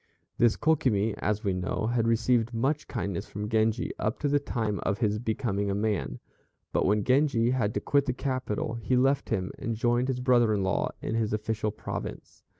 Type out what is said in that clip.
This Kokimi, as we know, had received much kindness from Genji up to the time of his becoming a man; but when Genji had to quit the capital he left him and joined his brother in law in his official province.